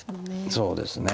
そうですね。